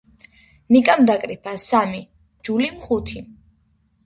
ნიკამ დაკრიფა სამი, ჯულიმ ხუთი.